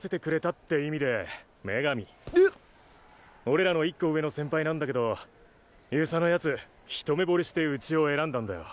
俺らの１個上の先輩なんだけど遊佐の奴一目惚れしてウチを選んだんだよ。